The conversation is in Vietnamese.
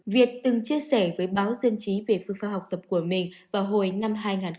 việt từng chia sẻ với báo dân chí về phương pháp học tập của mình vào hồi năm hai nghìn một mươi